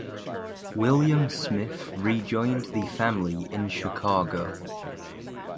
William Smith rejoined the family in Chicago.